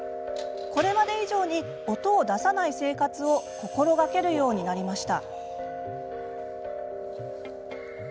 これまで以上に音を出さない生活を心がけるようになりました。